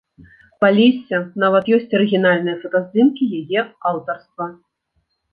Палесся нават ёсць арыгінальныя фотаздымкі яе аўтарства.